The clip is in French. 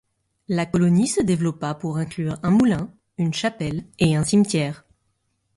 La colonie se développa pour inclure un moulin, une chapelle et un cimetière.